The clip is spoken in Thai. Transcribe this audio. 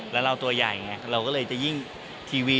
เราตัวใหญ่เนี่ยเราก็เลยจะยิ่งทีวี